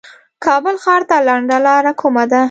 کابل ښار ته لنډه لار کومه ده